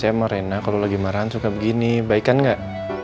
saya emang rena kalau lagi marahan suka begini baik baik gak